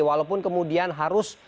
walaupun kemudian harus